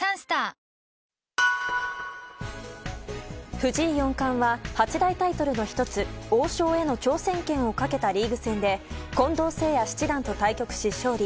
藤井四冠は八大タイトルの１つ王将への挑戦権をかけたリーグ戦で近藤誠也七段と対局し勝利。